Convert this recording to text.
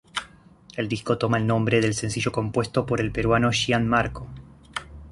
El disco toma el nombre del sencillo compuesto por el peruano Gian Marco.